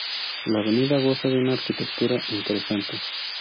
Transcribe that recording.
La avenida goza de una arquitectura interesante.